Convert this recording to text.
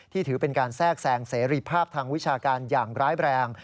ถือเป็นการแทรกแซงเสรีภาพทางวิชาการอย่างร้ายแรง